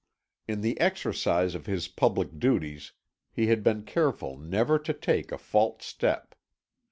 In the exercise of his public duties he had been careful never to take a false step.